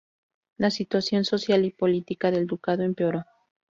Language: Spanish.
La situación social y política del Ducado empeoró.